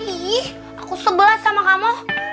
ih aku sebelas sama kamu